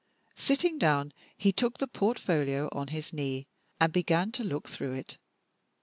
Sitting down, he took the portfolio on his knee, and began to look through it.